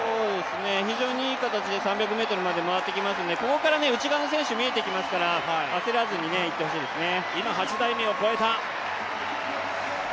非常にいい形で３００ｍまで回ってきていますのでここから内側の選手見えてくるから焦らずいってほしいですね。